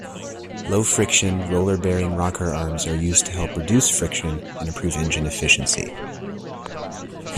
Low-friction, roller-bearing rocker arms are used to help reduce friction and improve engine efficiency.